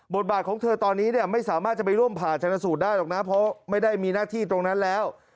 บาทของเธอตอนนี้เนี่ยไม่สามารถจะไปร่วมผ่าชนะสูตรได้หรอกนะเพราะไม่ได้มีหน้าที่ตรงนั้นแล้ว